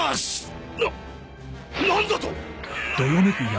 な何だと！？